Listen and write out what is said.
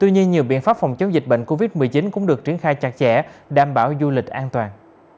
tuy nhiên nhiều biện pháp phòng chống dịch bệnh covid một mươi chín cũng được triển khai chặt chẽ đảm bảo du lịch an toàn